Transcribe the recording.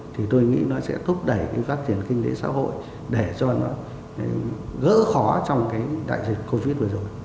thì tôi nghĩ nó sẽ thúc đẩy cái phát triển kinh tế xã hội để cho nó gỡ khó trong cái đại dịch covid vừa rồi